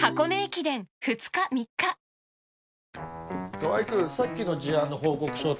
川合君さっきの事案の報告書って。